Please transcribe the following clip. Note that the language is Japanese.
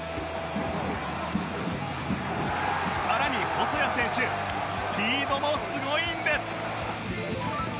さらに細谷選手スピードもすごいんです！